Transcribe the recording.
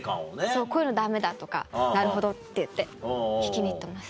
こういうのダメだとかなるほどっていって聞きに行ってます。